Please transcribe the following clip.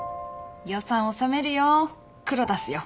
予算収めるよ黒出すよ。